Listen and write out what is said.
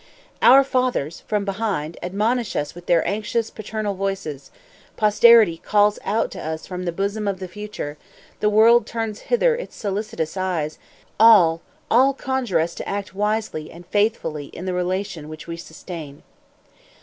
"Our fathers, from behind, admonish us with their anxious, paternal voices; posterity calls out to us from the bosom of the future; the world turns hither its solicitous eyes; all, all conjure us to act wisely and faithfully in the relation which we sustain."